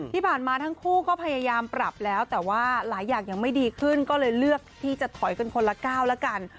ที่ผ่านมาทั้งคู่ก็พยายามปรับแล้วแต่ว่าหลายอย่างยังไม่ดีขึ้นก็เลยเลือกที่จะถอยกันคนละก้าวแล้วกัน